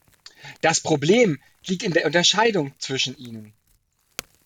Das Problem liegt in der Unterscheidung zwischen ihnen.